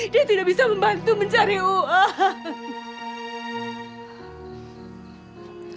dia tidak bisa membantu mencari uang